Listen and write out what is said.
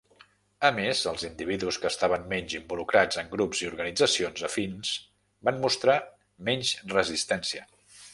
A més, els individus que estaven menys involucrats en grups i organitzacions afins van mostrar menys resistència.